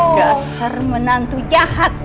gaser menantu jahat